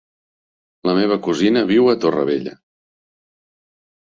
La meva cosina viu a Torrevella.